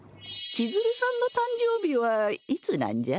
千鶴さんの誕生日はいつなんじゃ？